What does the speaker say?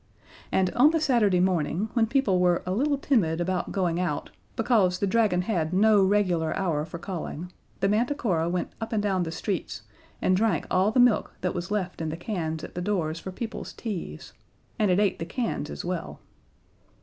And on the Saturday morning, when people were a little timid about going out, because the Dragon had no regular hour for calling, the Manticora went up and down the streets and drank all the milk that was left in the cans at the doors for people's teas, and it ate the cans as well.